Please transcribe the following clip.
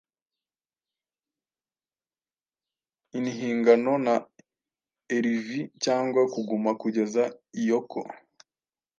Inhingano na erivii, cyangwa kuguma kugeza ioko,